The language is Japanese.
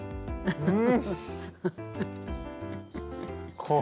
うん。